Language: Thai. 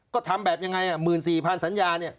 ก็ทำแบบยังไง๑๔๐๐สัญญาเนี่ย